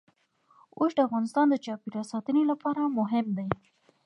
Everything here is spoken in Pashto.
اوښ د افغانستان د چاپیریال ساتنې لپاره مهم دي.